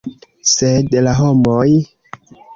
Sed la homoj!